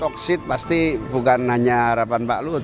bauksit pasti bukan hanya harapan pak luhut